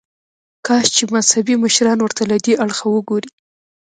کاش چې مذهبي مشران ورته له دې اړخه وګوري.